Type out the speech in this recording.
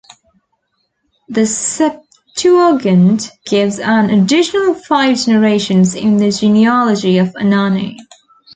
The Septuagint gives an additional five generations in the genealogy of Anani.